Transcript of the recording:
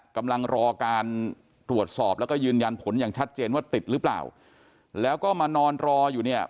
กำลังรอการตรวจสอบแล้วก็ยืนยันผลอย่างชัดเจนว่าติดหรือเปล่าแล้วก็มานอนรออยู่เนี่ย